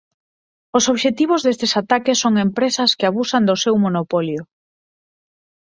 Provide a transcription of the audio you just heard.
Os obxectivos destes ataques son empresas que abusan do seu monopolio.